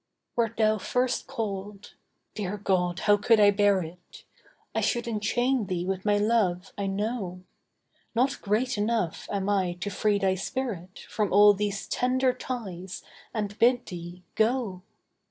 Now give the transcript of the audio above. Wert thou first called (dear God, how could I bear it?) I should enchain thee with my love, I know. Not great enough am I to free thy spirit From all these tender ties, and bid thee go.